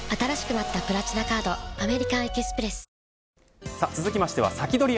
え．．．続きましてはサキドリ！